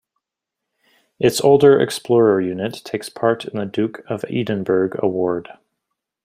Its older Explorer unit takes part in the Duke of Edinburgh Award.